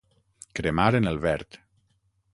Cremar en el verd.